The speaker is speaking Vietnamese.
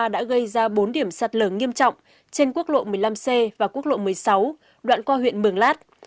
đã gây ra bốn điểm sạt lở nghiêm trọng trên quốc lộ một mươi năm c và quốc lộ một mươi sáu đoạn qua huyện mường lát